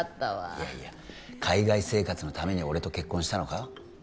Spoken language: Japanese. いやいや海外生活のために俺と結婚したのか？